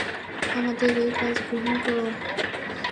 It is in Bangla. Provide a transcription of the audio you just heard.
আমাদের এ কাজ গ্রহণ কর।